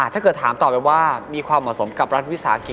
ถ้าเกิดถามต่อไปว่ามีความเหมาะสมกับรัฐวิสาหกิจ